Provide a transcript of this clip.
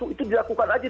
itu dilakukan aja